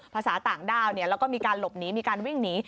ภาษาต่างด้าวแล้วก็มีการหลบหนีมีการวิ่งหนี